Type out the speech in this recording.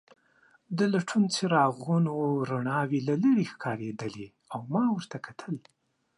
د لټون څراغونو رڼاوې له لیرې ښکارېدلې او ما ورته کتل.